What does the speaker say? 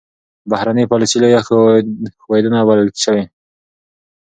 بهرنۍ پالیسي لویه ښوېېدنه بلل شوه.